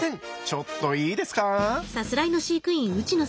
ちょっといいですか。